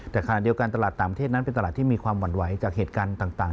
แต่ขณะเดียวกันตลาดต่างประเทศนั้นเป็นตลาดที่มีความหวั่นไหวจากเหตุการณ์ต่าง